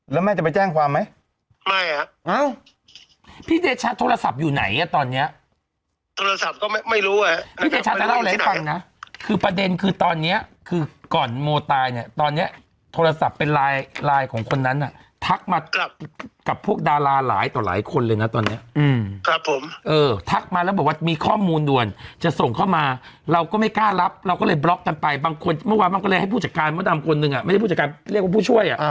แล้วแม่จะไปแจ้งความไหมไม่อ่ะพี่เดชัตริ์โทรศัพท์อยู่ไหนอ่ะตอนเนี้ยโทรศัพท์ก็ไม่รู้อ่ะพี่เดชัตริ์จะเล่าอะไรให้ฟังนะคือประเด็นคือตอนเนี้ยคือก่อนโมตายเนี้ยตอนเนี้ยโทรศัพท์เป็นลายลายของคนนั้นน่ะทักมากับพวกดาราหลายต่อหลายคนเลยน่ะตอนเนี้ยอืมครับผมเออทักมาแล้วบอกว่ามีข้อมู